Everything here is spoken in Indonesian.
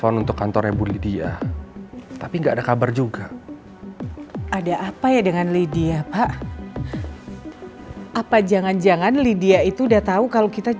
oke yuk kita berangkat